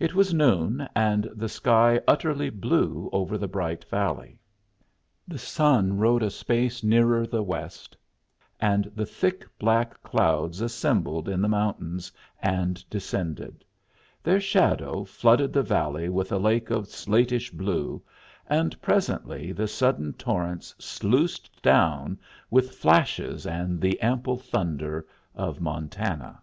It was noon, and the sky utterly blue over the bright valley. The sun rode a space nearer the west, and the thick black clouds assembled in the mountains and descended; their shadow flooded the valley with a lake of slatish blue, and presently the sudden torrents sluiced down with flashes and the ample thunder of Montana.